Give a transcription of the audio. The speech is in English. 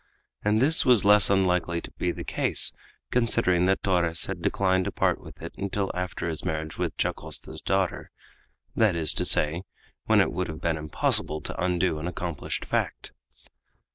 And this was less unlikely to be the case, considering that Torres had declined to part with it until after his marriage with Dacosta's daughter that is to say, when it would have been impossible to undo an accomplished fact.